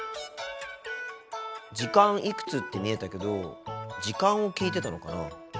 「時間いくつ」って見えたけど時間を聞いてたのかな？